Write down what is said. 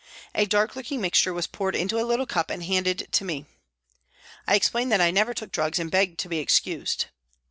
A dark looking mixture was poured into a little cup and handed to me. I explained that I never took drugs and begged to be excused.